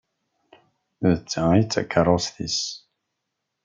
D ta ay d takeṛṛust-nnes.